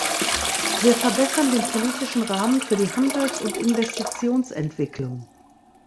Wir verbessern den politischen Rahmen für die Handels- und Investitionsentwicklung.